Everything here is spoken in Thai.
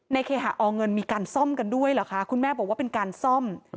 เคหาอเงินมีการซ่อมกันด้วยเหรอคะคุณแม่บอกว่าเป็นการซ่อม